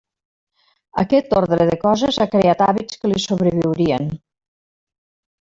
Aquest ordre de coses ha creat hàbits que li sobreviurien.